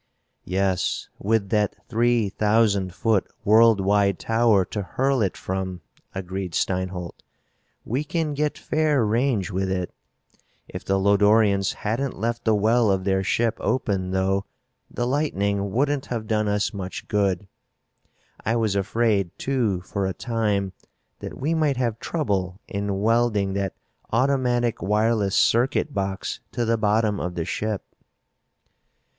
"Yes, with that three thousand foot Worldwide Tower to hurl it from," agreed Steinholt, "we can get fair range with it. If the Lodorians hadn't left the well of their ship open, though, the lightning wouldn't have done us much good. I was afraid, too, for a time, that we might have trouble in welding that automatic wireless circuit box to the bottom of the ship."